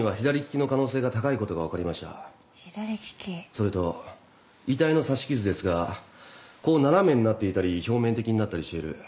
それと遺体の刺し傷ですがこう斜めになっていたり表面的になったりしている。